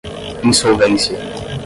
insolvência